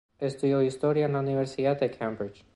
Estudió historia en la Universidad de Cambridge.